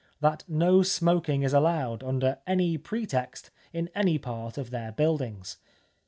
that no smoking is allowed, under any pretext, in any part of their buildings.